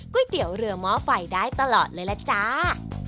กุ้ยเตี๋ยวเรือม้อไฟได้ตลอดเลยแล้วจ้า